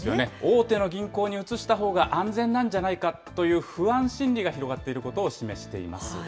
大手の銀行に移したほうが安全なんじゃないかという不安心理が広がっていることを示しています。